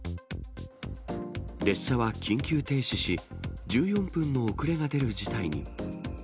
列車は緊急停止し、１４分の遅れが出る事態に。